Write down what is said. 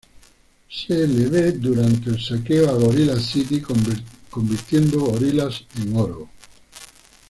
Se lo ve durante el saqueo a Gorilla City convirtiendo gorilas en oro.